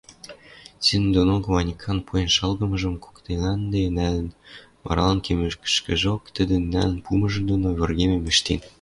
Седӹндонок Ванькан пуэн шалгымыжым коктелӓнӹде нӓлӹн, марлан кемешкӹжок тӹдӹн нӓлӹн пумыжы доно выргемӹм ӹштен.